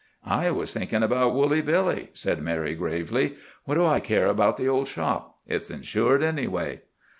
"I was thinking about Woolly Billy," said Mary gravely. "What do I care about the old shop? It's insured, anyway."